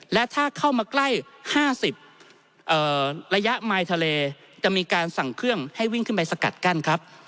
และถ้าเข้ามาใกล้๕๐ระยะมายทะเลจะมีการสั่งเครื่องให้วิ่งขึ้นไปสกัดกั้นครับ